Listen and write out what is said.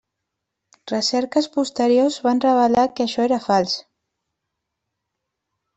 Recerques posteriors van revelar que això era fals.